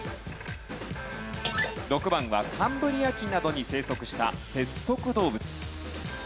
６番はカンブリア紀などに生息した節足動物。